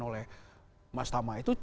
oleh mas tama itu